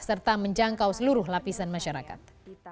serta menjangkau seluruh lapisan masyarakat